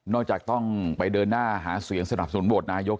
นอกจากต้องไปเดินหน้าหาเสียงสนับสมบวชนายก